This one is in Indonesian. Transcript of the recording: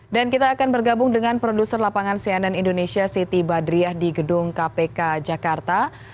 dan kita akan bergabung dengan produser lapangan cnn indonesia siti badriah di gedung kpk jakarta